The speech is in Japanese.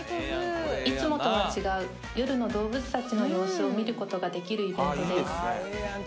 いつもとは違う夜の動物たちの様子を見ることができるイベントです